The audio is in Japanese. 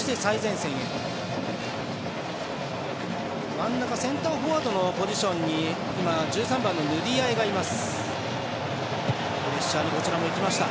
真ん中センターフォワードのポジションに今、１３番のヌディアエがいます。